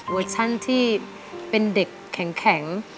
ชั่นที่เป็นเด็กแข็ง